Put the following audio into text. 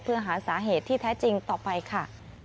เพื่อหาสาเหตุที่แท้จริงต่อไปค่ะ